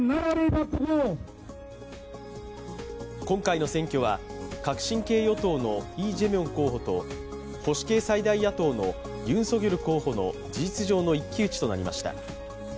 今回の選挙は革新系与党のイ・ジェミョン候補と保守系最大野党のユン・ソギョル候補の事実上の一騎打ちとなりました。